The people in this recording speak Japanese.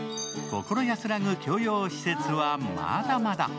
心安らぐ共用施設はまだまだ。